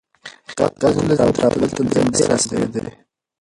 دا تلویزیون تر هغه بل تلویزیون ډېر عصري دی.